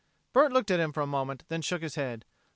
Bert looked at him for a moment, then shook his head.